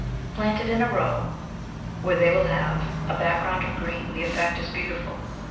Planted in a row where they will have a background of green the effect is beautiful.